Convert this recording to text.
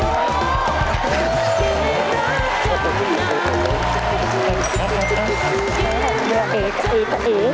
อ้าว